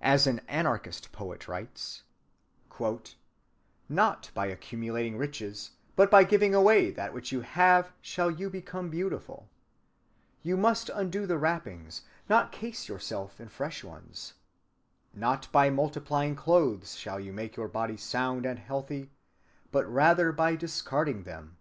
As an anarchist poet writes:— "Not by accumulating riches, but by giving away that which you have, "Shall you become beautiful; "You must undo the wrappings, not case yourself in fresh ones; "Not by multiplying clothes shall you make your body sound and healthy, but rather by discarding them